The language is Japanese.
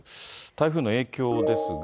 台風の影響ですが。